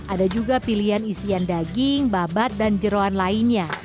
ada juga pilihan isian daging babat dan jerawan lainnya